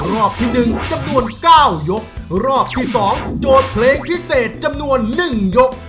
รอบที่หนึ่งจำนวนเก้ายกรอบที่สองโจทย์เพลงพิเศษจำนวนหนึ่งยก